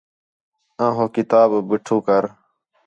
آں ہو کتاب بٹھو کر